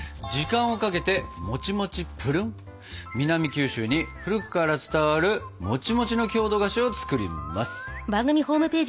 九州に古くから伝わるもちもちの郷土菓子を作ります！